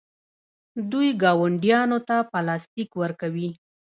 دوی ګاونډیانو ته پلاستیک ورکوي.